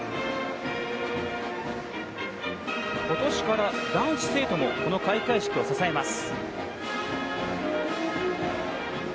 ことしから男子生徒もこの開会式を支えます。